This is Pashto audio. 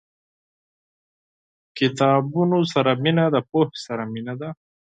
• د کتابونو سره مینه، د پوهې سره مینه ده.